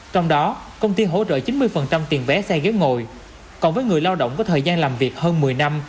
trong đó công ty hỗ trợ chín mươi tiền vé xe ghế ngồi còn với người lao động có thời gian làm việc hơn một mươi năm